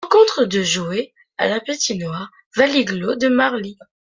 Rencontres jouées à la patinoire Valigloo de Marly.